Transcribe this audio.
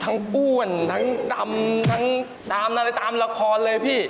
ป้วนทั้งดำทั้งตามอะไรตามละครเลยพี่